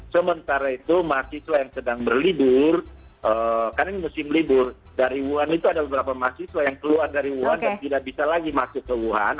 sementara itu mahasiswa yang sedang berlibur karena ini musim libur dari wuhan itu ada beberapa mahasiswa yang keluar dari wuhan dan tidak bisa lagi masuk ke wuhan